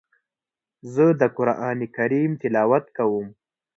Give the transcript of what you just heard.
زه د قران کریم تلاوت کوم.